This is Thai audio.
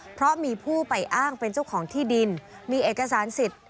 เพราะมีผู้ไปอ้างเป็นเจ้าของที่ดินมีเอกสารสิทธิ์